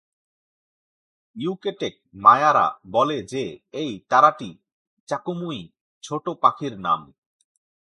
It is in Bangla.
ইউকেটেক মায়ারা বলে যে এই তারাটি "চাকুমুই", ছোট পাখির নাম।